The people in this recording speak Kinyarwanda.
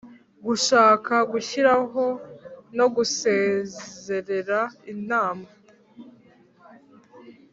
gushaka gushyiraho no gusezerera inama